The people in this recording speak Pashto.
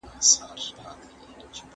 ژوند به کله تېر سي .